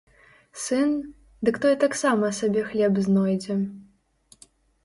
Сын, дык той таксама сабе хлеб знойдзе.